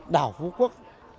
đảo phú quốc